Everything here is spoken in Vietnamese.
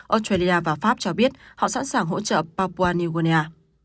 australia và pháp cho biết họ sẵn sàng hỗ trợ papua new guinea